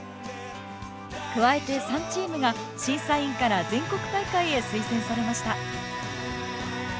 加えて３チームが審査員から全国大会へ推薦されました。